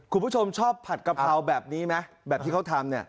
คุณผู้ชมชอบผัดกะเพราแบบนี้ไหมแบบที่เขาทำเนี่ย